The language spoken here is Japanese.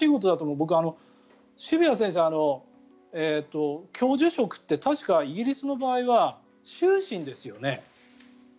僕は渋谷先生教授職って確かイギリスの場合はそうですね。